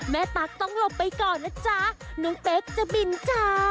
ตั๊กต้องหลบไปก่อนนะจ๊ะน้องเป๊กจะบินจ้า